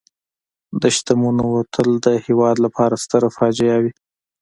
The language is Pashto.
د شتمنو وتل د هېواد لپاره ستره فاجعه وي.